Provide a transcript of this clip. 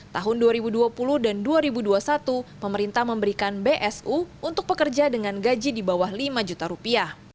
tahun dua ribu dua puluh dan dua ribu dua puluh satu pemerintah memberikan bsu untuk pekerja dengan gaji di bawah lima juta rupiah